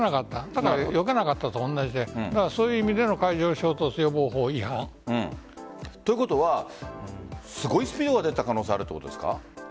だからよけなかったのと同じでそういう意味でのということはすごいスピードが出た可能性があるということですか？